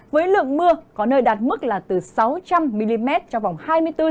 với lượng mưa có nơi đạt mức là từ sáu trăm linh mm trong vòng hai mươi bốn h